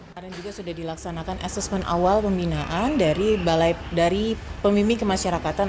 kemarin juga sudah dilaksanakan asesmen awal pembinaan dari pemimpin kemasyarakatan